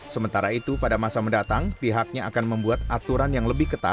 sementara itu pada masa mendatang pihaknya akan membuat aturan yang lebih ketat